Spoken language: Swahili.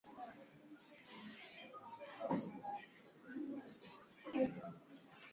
kulevya kwa sababu ya umuhimu wake katika kujifunza na kumbukumbu